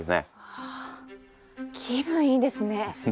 わあ気分いいですね！